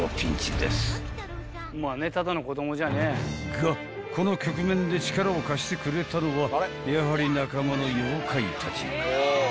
［がこの局面で力を貸してくれたのはやはり仲間の妖怪たち］